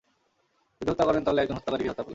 যদি হত্যা করেন, তাহলে একজন হত্যাকারীকেই হত্যা করলেন।